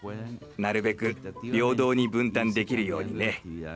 なるべく平等に分担できるようにね。